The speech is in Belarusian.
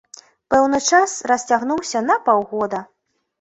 Пэўны час расцягнуўся на паўгода.